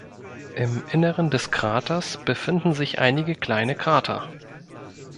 Im Inneren des Kraters befinden sich einige kleine Krater.